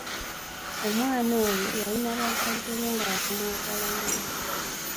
Omwana oyo yalina bazadde be nga bamwagala nnyo.